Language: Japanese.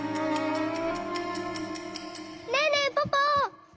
ねえねえポポ！